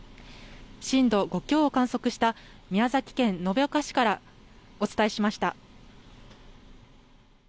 震度５強を観測した宮崎県延岡市からお伝えしました。